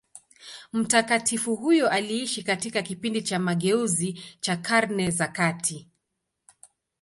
Mtakatifu huyo aliishi katika kipindi cha mageuzi cha Karne za kati.